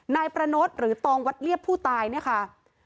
นายประนดหรือตองวัดเรียบผู้ตายเนี่ยค่ะ